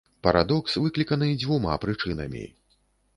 Парадокс выкліканы дзвюма прычынамі.